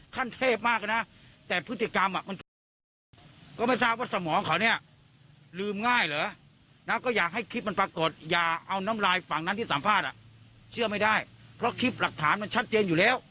กลุ่มครองคนอยู่แล้วนะไม่กลัว